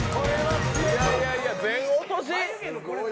いやいや、全落とし。